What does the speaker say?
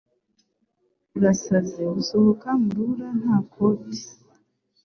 Urasaze gusohoka mu rubura nta koti.